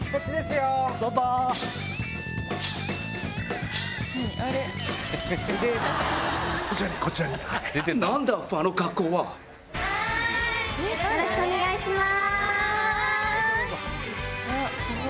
よろしくお願いします。